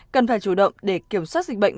cần phải chủ động để kiểm soát dịch bệnh